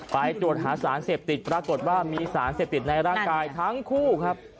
ไปตรวจหาสารเสพติดปรากฏว่ามีสารเสพติดในร่างกายทั้งคู่ครับ